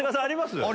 あります